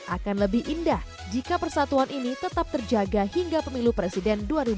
akan lebih indah jika persatuan ini tetap terjaga hingga pemilu presiden dua ribu dua puluh